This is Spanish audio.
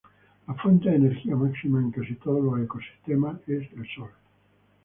La fuente de energía máxima en casi todos los ecosistemas es el sol.